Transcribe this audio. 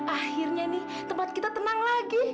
akhirnya nih tempat kita tenang lagi